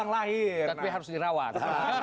tapi harus dirawat